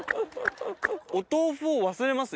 お豆腐を忘れます